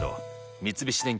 三菱電機